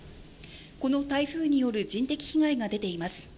この台風による人的被害が出ています。